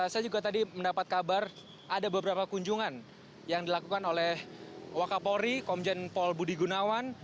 saya juga tadi mendapat kabar ada beberapa kunjungan yang dilakukan oleh wakapolri komjen paul budi gunawan